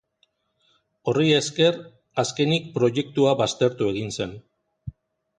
Hori esker azkenik proiektua baztertu egin zen.